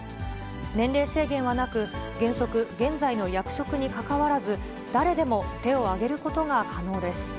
年齢制限はなく、原則、現在の役職に関わらず、誰でも手を挙げることが可能です。